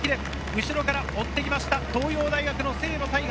後ろから追ってきました、東洋大学の清野太雅。